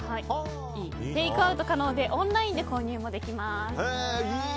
テイクアウトも可能でオンラインで購入もできます。